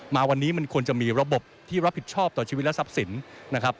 มาวันนี้มันควรจะมีระบบที่รับผิดชอบต่อชีวิตรัศนภ์ศิลป์